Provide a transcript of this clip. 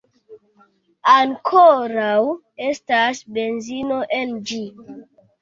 Ankoraŭ estas benzino en ĝi